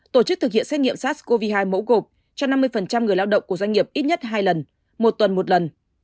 tổ chức thực hiện xét nghiệm sars cov hai mẫu gộp cho năm mươi người lao động của doanh nghiệp ít nhất hai lần một tuần một lần